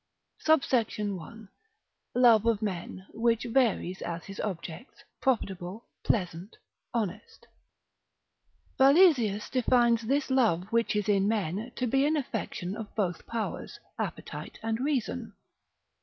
SUBSECT. I.—Love of Men, which varies as his Objects, Profitable, Pleasant, Honest. Valesius, lib. 3. contr. 13, defines this love which is in men, to be an affection of both powers, appetite and reason.